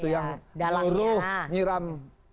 yang luruh nyiram